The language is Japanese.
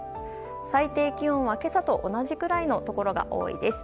最低気温は今朝と同じくらいのところが多いです。